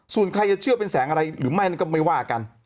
ส่วนใครจะเชื่อเป็นแสงอะไรหรือไม่นั้นก็ไม่ว่ากัน